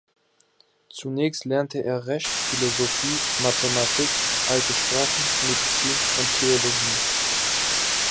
Zunächst lernte er Recht, Philosophie, Mathematik, alte Sprachen, Medizin und Theologie.